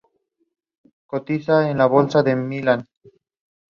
The aircraft was then flown to Sydney by the same crew.